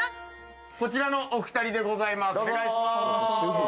こちらのお２人でございます。